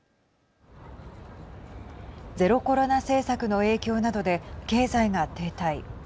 ゼロコロナ政策の影響などで経済が停滞。